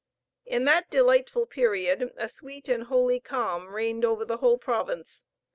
In that delightful period a sweet and holy calm reigned over the whole province.